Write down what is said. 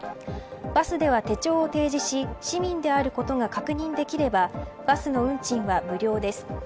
バスでは手帳を提示し市民であることが確認できればバスの運賃は無料です。